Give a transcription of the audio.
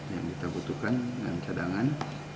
kan dengan cadangan